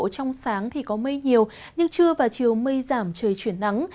trong sáng thì có mây nhiều nhưng trưa và chiều mây giảm trời chuyển nắng